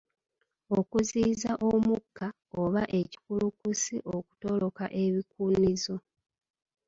Okuziyiza omukka oba ekikulukusi okutoloka ebikunizo.